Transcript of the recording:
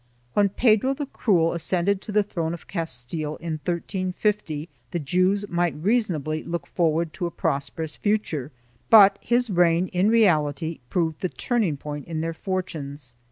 3 When Pedro the Cruel ascended the throne of Castile, in 1350, the Jews might reasonably look forward to a prosperous future, but his reign in reality proved the turning point in their fortunes.